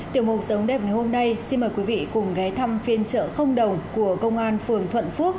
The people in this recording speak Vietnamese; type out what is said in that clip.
tiểu mục sống đẹp ngày hôm nay xin mời quý vị cùng ghé thăm phiên chợ không đồng của công an phường thuận phước